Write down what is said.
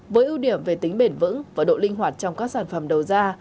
với ưu điểm về tính bền vững và độ linh hoạt trong các sản phẩm đầu ra